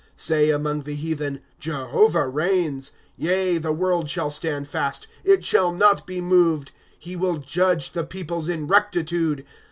" Say among the heathen, Jehovah reigns ; Yea, the world shall stand fast, it shall not be moved ; He will judge the peoples in rectitude.